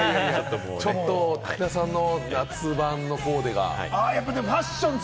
ちょっと武田さんの夏版コーデが。